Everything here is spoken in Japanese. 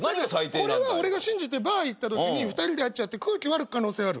これは俺が信じてバー行ったときに２人で会っちゃって空気悪い可能性ある。